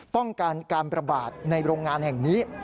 ป้องกันการประบาดในโรงงานแห่งนี้